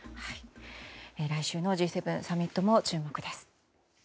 来週のＧ７サミットも注目です。